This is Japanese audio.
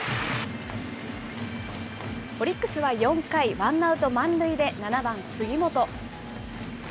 オリックスは４回、ワンアウト満塁で７番杉本。